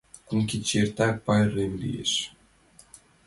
Кум кече эртак пайрем лиеш.